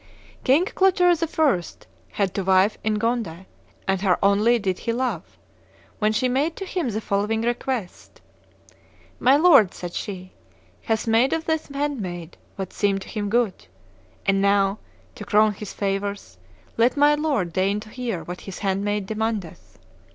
"King Clotaire I. had to wife Ingonde, and her only did he love, when she made to him the following request: 'My lord,' said she, 'hath made of his handmaid what seemed to him good; and now, to crown his favors, let my lord deign to hear what his handmaid demandeth.